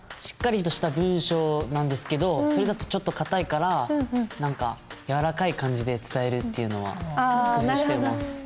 しっかりとした文章なんですけどそれだとちょっと硬いから何かやわらかい感じで伝えるっていうのは工夫してます。